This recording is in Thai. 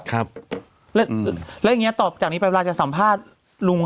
ครับแล้วอืมแล้วอย่างเงี้ยตอบจากนี้แปลว่าจะสัมภาษณ์ลุง